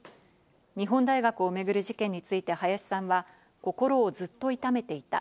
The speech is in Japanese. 日本大学を巡る事件について林さんは心をずっと痛めていた。